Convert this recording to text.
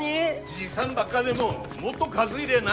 じいさんばっかでももっと数いりゃあ